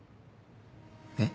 えっ。